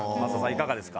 いかがですか？